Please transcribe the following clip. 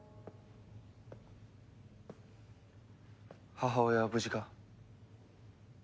母親は無事か？